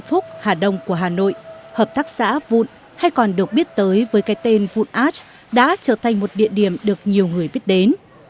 phúc hà đông của hà nội hợp tác xã vụn hay còn được biết tới với cái tên vụn arch đã trở thành một địa điểm được nhiều người biết đến